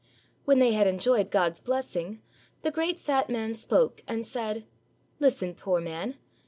When they had enjoyed God's blessing, the great fat man spoke and said :— "Listen, poor man.